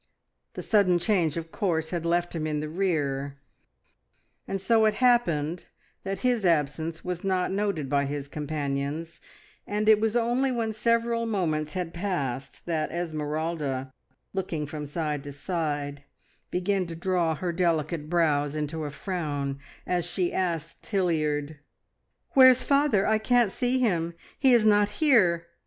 The sudden change of course had left him in the rear, and so it happened that his absence was not noted by his companions, and it was only when several moments had passed that Esmeralda, looking from side to side, began to draw her delicate brows into a frown as she asked Hilliard "Where's father? I can't see him. He is not here."